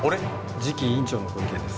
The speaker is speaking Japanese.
次期院長のご意見です。